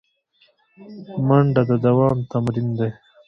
منډه د دوام تمرین دی